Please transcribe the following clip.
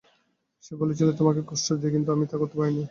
সে বলেছিল তোমাকে কষ্ট দিতে, কিন্তু আমি তা করতে চাইনি।